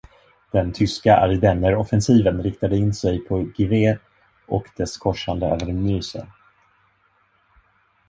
Den tyska ardenneroffensiven riktade in sig på Givet och dess korsande över Meuse.